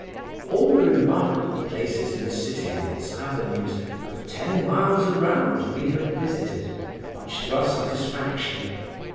All the remarkable places in the city and its avenues, for ten miles around, we have visited, much to our satisfaction.